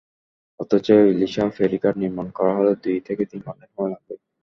অথচ ইলিশা ফেরিঘাট নির্মাণ করা হলে দুই থেকে তিন ঘণ্টা সময় লাগবে।